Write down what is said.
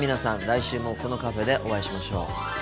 来週もこのカフェでお会いしましょう。